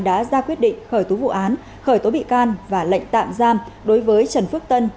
đã ra quyết định khởi tố vụ án khởi tố bị can và lệnh tạm giam đối với trần phước tân